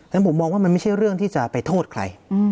ฉะผมมองว่ามันไม่ใช่เรื่องที่จะไปโทษใคร